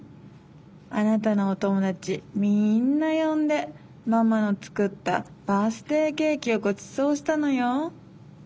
あなたのおともだちみんなよんでママのつくったバースデーケーキをごちそうしたのよ。